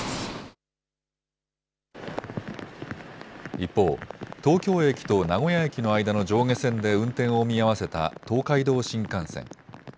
一方、東京駅と名古屋駅の間の上下線で運転を見合わせた東海道新幹線。